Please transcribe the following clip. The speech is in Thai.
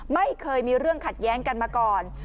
ไม่เคยมีเรื่องขัดแย้งกันมาก่อน